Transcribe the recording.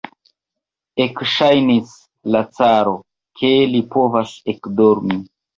Ekŝajnis al la caro, ke li povas ekdormi.